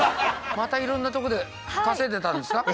またいろんなとこで稼いでたんですか？